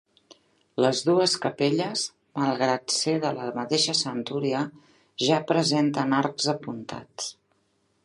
Les dues capelles, malgrat ser de la mateixa centúria, ja presenten arcs apuntats.